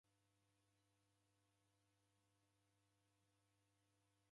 W'aw'echumbana kwa wundu ghwa mbuw'a